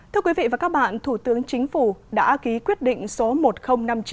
thưa quý vị và các bạn thủ tướng chính phủ đã ký quyết định số một nghìn năm mươi chín